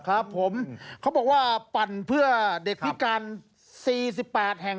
ครับผมเขาบอกว่าปั่นเพื่อเด็กพิการ๔๘แห่ง